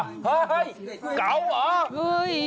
เฮ้ยเก่าเหรอ